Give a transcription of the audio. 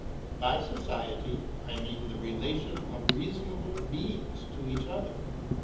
By Society I mean the relation of reasonable beings to each other.